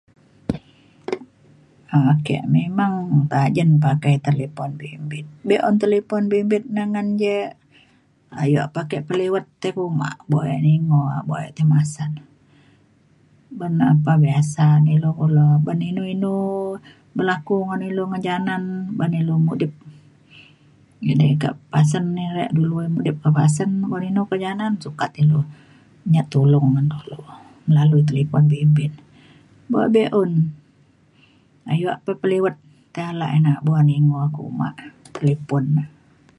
um ake memang tajen pakai talipon bimbit. be’un talifon bimbit na ngan je ayok pa ake keliwet tai kuma buk ya lingo buk ya tai masat. ban lepa biasa na ilu kulo ban inu inu berlaku ngan ilu ngan janan ban ilu mudip edei kak pasen ne re dulu mudip kak pasen inu pa janan sukat ilu nyat tulong ngan dulu lalu talipon bimbit. buk be’un ayak pa peliwet tai alak [unintelligible] kuma talipon na.